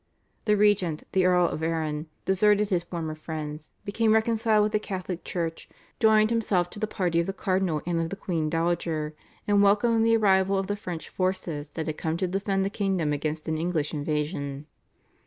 The regent, the Earl of Arran, deserted his former friends, became reconciled with the Catholic Church, joined himself to the party of the cardinal and of the queen dowager, and welcomed the arrival of the French forces that had come to defend the kingdom against an English invasion.